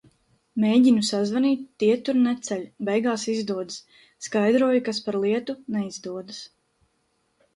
Mēģinu sazvanīt, tie tur neceļ, beigās izdodas. Skaidroju, kas par lietu, neizdodas.